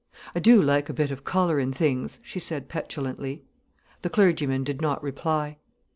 "I do like a bit of colour in things," she said, petulantly. The clergyman did not reply.